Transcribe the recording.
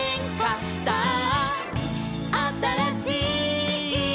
「さああたらしい」